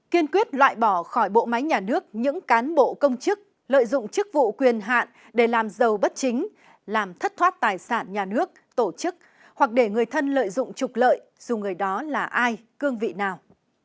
kiên quyết loại bỏ khỏi bộ máy nhà nước những cán bộ công chức lợi dụng chức vụ quyền hạn để làm giàu bất chính làm thất thoát tài sản nhà nước tổ chức hoặc để người thân lợi dụng trục lợi dù người đó là ai cương vị nào